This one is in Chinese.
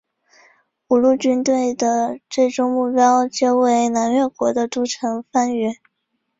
五路军队的最终目标皆为南越国的都城番禺。